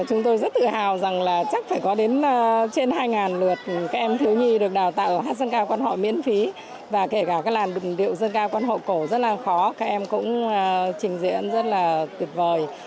chúng tôi rất tự hào rằng là chắc phải có đến trên hai lượt các em thiếu nhi được đào tạo ở hát dân ca quan họ miễn phí và kể cả các làn điệu dân ca quan họ cổ rất là khó các em cũng trình diễn rất là tuyệt vời